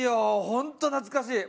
本当懐かしい。